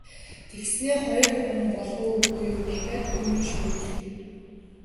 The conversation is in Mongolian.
Тэгснээ хоёр хором болов уу, үгүй юу дахиад л үймэн шуугилдана.